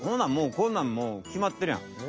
こんなんもうきまってるやん。